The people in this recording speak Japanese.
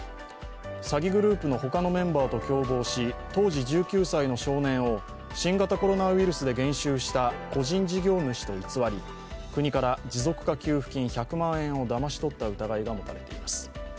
詐欺グループの他のメンバーと共謀し当時、１９歳の少年を新型コロナウイルスで減収した個人事業主と偽り、国から持続化給付金１００万円をだまし取った疑いが持たれています。